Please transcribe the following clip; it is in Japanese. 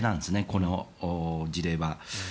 この事例は。